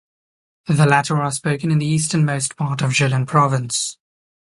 The latter are spoken in the easternmost part of Jilin province.